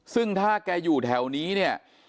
ซึ่งถ้าแกอยู่แถวนี้เนี่ย